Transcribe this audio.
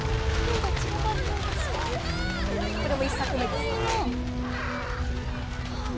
これも１作目です。